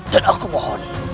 dan aku mohon